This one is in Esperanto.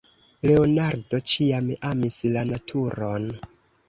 Leonardo ĉiam amis la naturon.